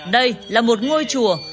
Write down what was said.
đây là một ngôi chùa